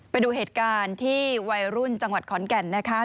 ไปดูเหตุการณ์ที่วัยรุ่นจังหวัดขอนแก่นนะคะ